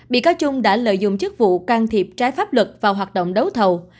bị cáo trung đã lợi dụng chức vụ can thiệp trái pháp luật vào hoạt động đấu thầu